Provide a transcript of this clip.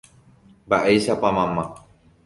Mba'éichapa mamá.